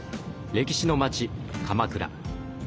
歴史の街鎌倉。